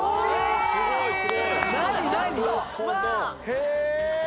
へえ！